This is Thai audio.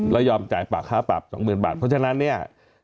แล้วยอมจ่ายปากค่าปรับ๒๐๐๐บาทเพราะฉะนั้นเนี่ย